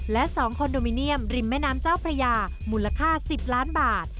และ๒คอนโดมิเนียมริมแม่น้ำเจ้าพระยามูลค่า๑๐ล้านบาท